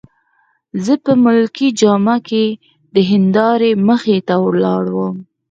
زه په ملکي جامه کي د هندارې مخې ته ولاړ وم.